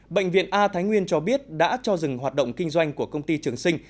bệnh viện a thái nguyên cho biết đã cho dừng hoạt động kinh doanh của công ty trường sinh